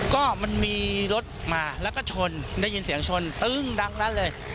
ก็มันมีรถมาแล้วก็ชนได้ยินเสียงชนตึ้งดังนั้นเลย